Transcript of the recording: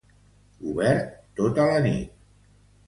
Obert tota la nit.